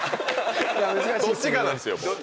どっちかなんすよ。